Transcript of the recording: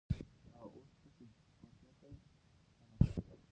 هغه اوس تشې کوټې ته ستنه شوه.